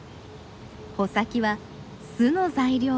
穂先は巣の材料。